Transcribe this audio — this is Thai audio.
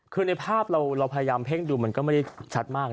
คือในภาพเราพยายามเพ่งดูมันก็ไม่ได้ชัดมาก